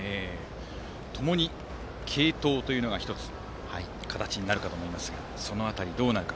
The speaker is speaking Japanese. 共に継投というのが１つ形になるかと思いますがその辺り、どうなるか。